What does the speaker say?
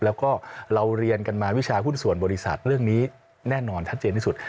แล้วก็เราเรียนกันมาวิชาหุ้นส่วนบริษัทเรื่องนี้แน่นอนชัดเจนที่สุด